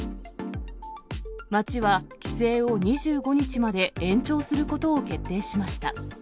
町は規制を２５日まで延長することを決定しました。